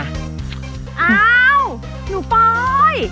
อ้าวหนูปอย